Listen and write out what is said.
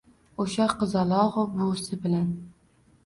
oʼsha qizalogʼu buvisi bilan